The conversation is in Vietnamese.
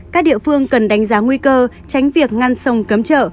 các địa phương cần đánh giá nguy cơ tránh việc ngăn sông cấm chợ